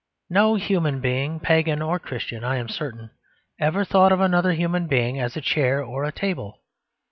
No human being, pagan or Christian, I am certain, ever thought of another human being as a chair or a table.